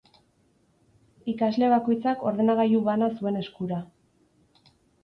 Ikasle bakoitzak ordenagailu bana zuen eskura.